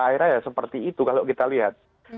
akhirnya ya seperti itu kalau kita lihat